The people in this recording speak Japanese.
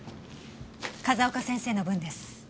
風丘先生の分です。